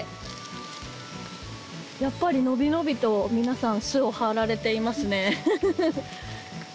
やっぱり伸び伸びと皆さん巣を張られていますね。